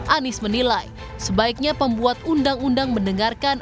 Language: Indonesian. anies menilai sebaiknya pembuat undang undang mendengarkan